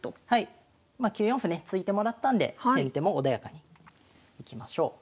まあ９四歩ね突いてもらったんで先手も穏やかにいきましょう。